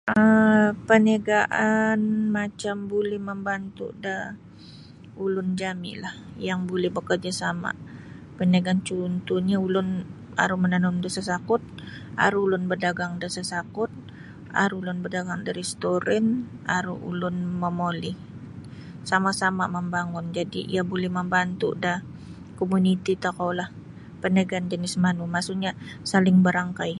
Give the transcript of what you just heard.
um Paniagaan macam buli mambantu da ulun jami lah yang buli bakarjasama paniagaan cuntuhnya ulun aru mananum da sasakut aru ulun badagang da sasakut aru ulun badagang da restoran aru ulun momoli sama-sama mambangun jadi iyo buli mambantu lah komuniti tokoulah paniagaan jinis manu maksudnya saling barangkai.